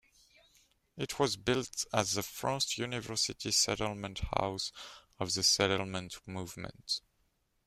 It was built as the first university settlement house of the settlement movement.